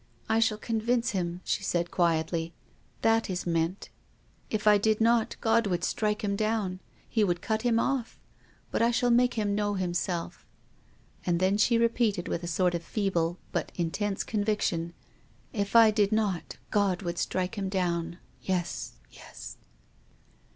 " I shall convince him," she said quietly. " That is meant. If I did not God would strike him down. He would be cut off. But I shall make him know himself." And then she repeated, with a sort of feeble but intense conviction, " If I did not God would strike him down — yes —yes."